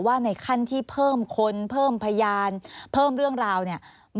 ในขั้นที่เพิ่มคนเพิ่มพยานเพิ่มเรื่องราวเนี่ย